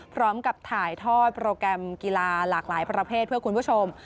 พร้อมกับถ่ายทอดโปรแกรมกีฬาหลากหลายประเภทเพื่อคุณผู้ชม